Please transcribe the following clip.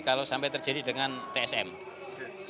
kalau sampai terjadi dengan tsm